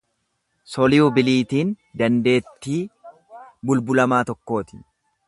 Soliyubiliitiin dandeettii bulbullamaa tokkooti.